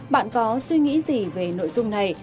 bạn có suy nghĩ gì về nội dung này